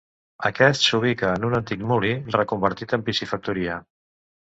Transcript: Aquest s'ubica en un antic molí reconvertit en piscifactoria.